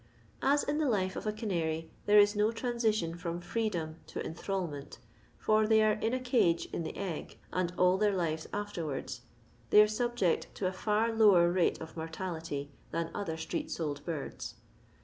As in the life of a canary there is no transition from freedom to enthralment, for they are in a cage in the egg, and all their lives afterwards, they are subject to a far lower rate of mortality than other street sold birds.